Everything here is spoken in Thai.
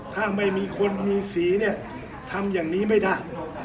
ถ้าไม่มีคนมีสีเนี่ยทำอย่างนี้ไม่ได้